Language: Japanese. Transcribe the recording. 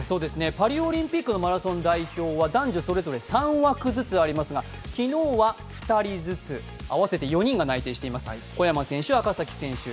パリオリンピックのマラソン代表は男女それぞれ３枠ずつありますが昨日は２人ずつ、合わせて４人が内定しています。